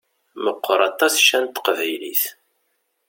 Meqqeṛ aṭas ccan n teqbaylit!